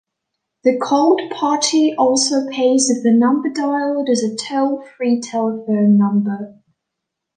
The called party also pays if the number dialed is a toll-free telephone number.